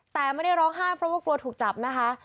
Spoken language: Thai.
แต่ไม่ได้ร้องไห้เพราะว่ากลัวถูกจับนะคะ